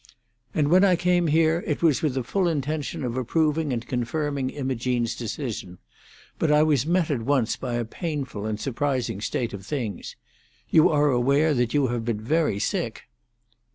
"And when I came here it was with the full intention of approving and confirming Imogene's decision. But I was met at once by a painful and surprising state of things. You are aware that you have been very sick?"